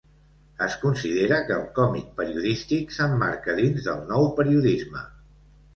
Es considera que el còmic periodístic s'emmarca dins del Nou Periodisme.